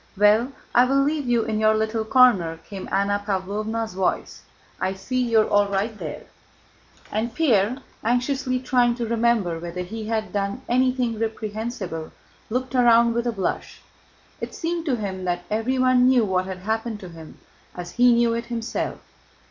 "Well, I will leave you in your little corner," came Anna Pávlovna's voice, "I see you are all right there." And Pierre, anxiously trying to remember whether he had done anything reprehensible, looked round with a blush. It seemed to him that everyone knew what had happened to him as he knew it himself.